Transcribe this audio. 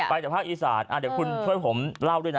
จากภาคอีสานเดี๋ยวคุณช่วยผมเล่าด้วยนะ